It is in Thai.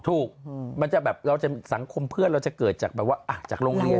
ถูกเราจะมีสังคมเพื่อเราก็จะเกิดจากลงเรียน